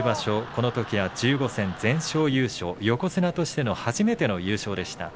このときは１５戦全勝優勝を横綱としての初めての優勝でした。